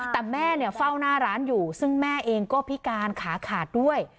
แต่แม่เฝ้าหน้าร้านอยู่ซึ่งแม่เองก็พิการขาขาดด้วย